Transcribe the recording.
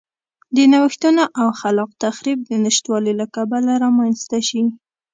د نوښتونو او خلاق تخریب د نشتوالي له کبله رامنځته شي.